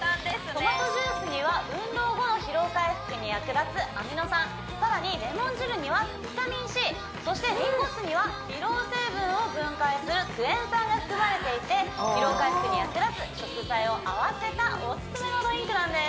トマトジュースには運動後の疲労回復に役立つアミノ酸更にレモン汁にはビタミンＣそしてリンゴ酢には疲労成分を分解するクエン酸が含まれていて疲労回復に役立つ食材を合わせたオススメのドリンクなんです